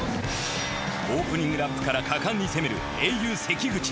オープニングラップから果敢に攻めるａｕ関口。